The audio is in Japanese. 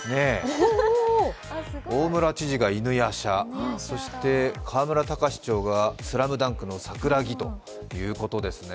大村知事が犬夜叉、そして河村たかし市長が「ＳＬＡＭＤＵＮＫ」の桜木ということですね。